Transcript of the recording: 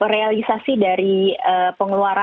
realisasi dari pengeluaran